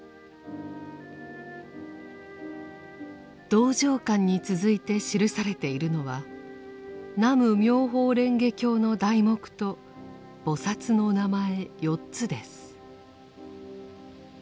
道場観に続いて記されているのは「南無妙法蓮華経」の題目と菩薩の名前４つです。